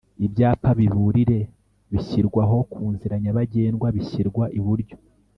Ibyapa biburire bishyirwaho kunzira nyabagendwa?bishyirwa iburyo